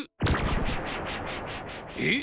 えっ！